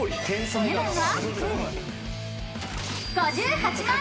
［お値段は］